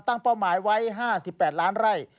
เป้าหมายไว้๕๘ล้านไร่